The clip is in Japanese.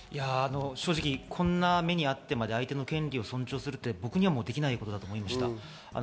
正直、こんな目にあってまで相手の権利を尊重するというのは僕にはできないと思いました。